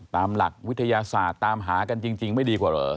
ตามหลักวิทยาศาสตร์ตามหากันจริงไม่ดีกว่าเหรอ